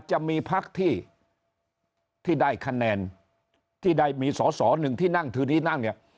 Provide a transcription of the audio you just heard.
จะมีพักที่ได้คะแนนที่ได้มีสอสอหนึ่งที่นั่งถือที่นั่งเนี่ย